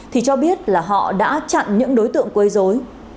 thì cho biết là họ đã chặn những đối tượng quấy rối